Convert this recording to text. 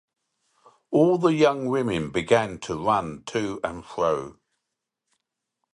All the young women began to run to and fro.